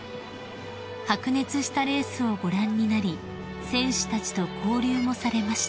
［白熱したレースをご覧になり選手たちと交流もされました］